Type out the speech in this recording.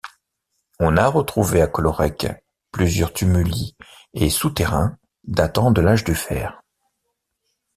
On a retrouvé à Collorec plusieurs tumuli et souterrains datant de l'âge du fer.